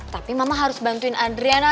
tapi mama harus bantuin adriana